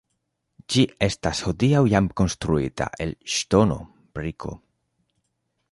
Ĝi estas hodiaŭ jam konstruita el ŝtono, briko.